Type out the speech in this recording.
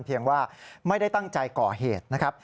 เพียงว่าไม่ได้ตั้งใจก่อเหตุนะครับ